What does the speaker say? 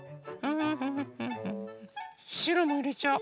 しろもいれちゃお。